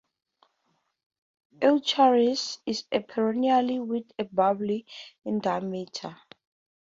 "Eucharis" is a perennial with a bulb in diameter.